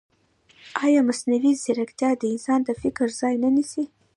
ایا مصنوعي ځیرکتیا د انسان د فکر ځای نه نیسي؟